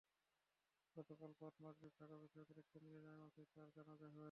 গতকাল বাদ মাগরিব ঢাকা বিশ্ববিদ্যালয় কেন্দ্রীয় জামে মসজিদে তাঁর জানাজা হয়।